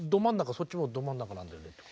そっちもど真ん中なんだよねっていうか。